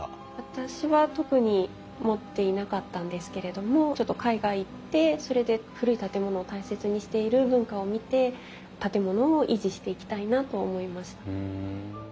私は特に持っていなかったんですけれどもちょっと海外行ってそれで古い建物を大切にしている文化を見て建物を維持していきたいなと思いました。